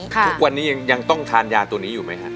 ทุกวันนี้ยังต้องทานยาตัวนี้อยู่ไหมฮะ